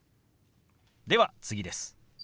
では次です。